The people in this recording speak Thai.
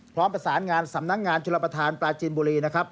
พร้อมประสานงานสำนักงานชุลประธานปลาจีนบุรีนะครับ